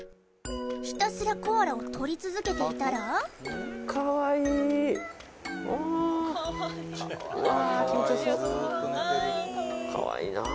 ひたすらコアラを撮り続けていたらかわいいわー気持ちよさそうかわいいなあ